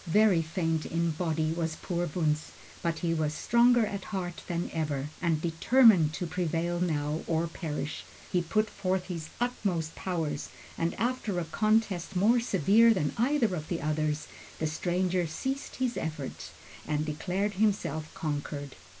Very faint in body was poor Wunzh, but he was stronger at heart than ever, and determined to prevail now or perish. He put forth his utmost powers, and after a contest more severe than either of the others, the stranger ceased his efforts and declared himself conquered.